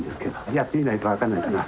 やってみないと分かんないかな。